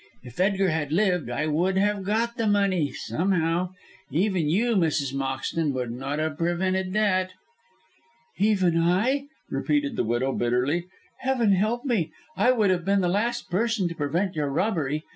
If Edgar had lived I would have got the money somehow. Even you, Mrs. Moxton, would not have prevented that." "Even I," repeated the widow, bitterly. "Heaven help me, I would have been the last person to prevent your robbery.